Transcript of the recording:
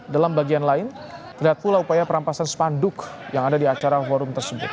dalam bagian lain terlihat pula upaya perampasan spanduk yang ada di acara forum tersebut